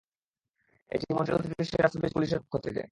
এটা মন্ট্রিয়াল সিটির সেরা সার্ভিস পুলিশের পক্ষ থেকে।